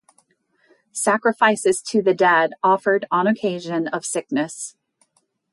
Sacrifices to the dead offered on occasion of sickness.